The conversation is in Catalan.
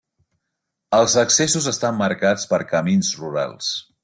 Els accessos estan marcats per camins rurals.